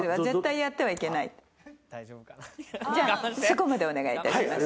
じゃあそこまでお願いいたします。